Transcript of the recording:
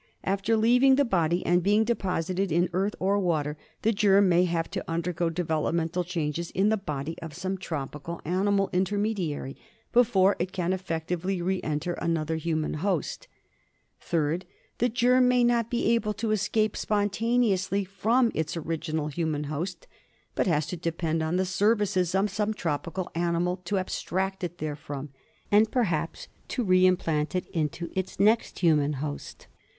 After leaving the body and being deposited in earth or water, the germ may have to undergo develop mental changes in the body of some tropical animal intermediary before it can effectively re enter another human host. 14 ANKYLOSTOMIASIS. 3rd. The germ may not be able to escape spontane ously from its original human host, but has to depend on the services of some tropical animal to abstract it therefrom, and perhaps to re implant it into its next human host.